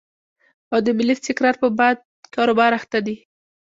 او د ملي استقرار په بې باد کاروبار اخته دي.